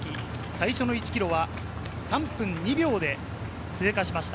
最初の１ｋｍは３分２秒で通過しました。